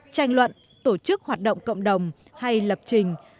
tranh luận tổ chức hoạt động cộng đồng hay lập trình